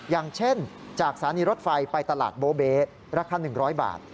อย่างเช่นจากสถานีรถไฟไปตลาดโบเบ๊ราคา๑๐๐บาท